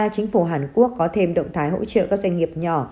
chính phủ hàn quốc có thêm động thái hỗ trợ các doanh nghiệp nhỏ